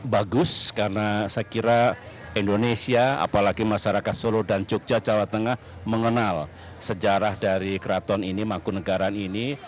bagus karena saya kira indonesia apalagi masyarakat solo dan jogja jawa tengah mengenal sejarah dari keraton ini mangkunagaran ini